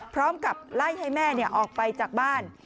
พร้อมกับไล่ให้แม่ออกไปจากบ้าน